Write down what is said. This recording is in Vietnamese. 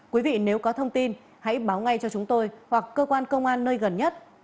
quý vị nếu có thông tin hãy báo ngay cho chúng tôi hoặc cơ quan công an nơi gần nhất